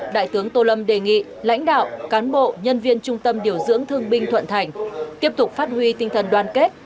đại tướng tô lâm đề nghị lãnh đạo cán bộ nhân viên trung tâm điều dưỡng thương binh thuận thành tiếp tục phát huy tinh thần đoàn kết